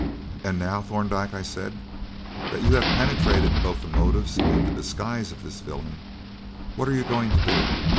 "And now, Thorndyke," I said, "that you have penetrated both the motives and the disguise of this villain, what are you going to do?